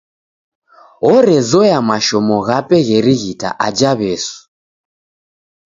Orezoya mashomo ghape gherighita aja W'esu.